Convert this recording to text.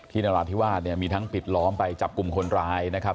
นราธิวาสเนี่ยมีทั้งปิดล้อมไปจับกลุ่มคนร้ายนะครับ